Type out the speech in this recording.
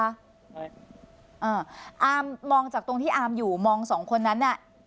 อามมองจากตรงที่อาร์มอยู่มองสองคนนั้นน่ะ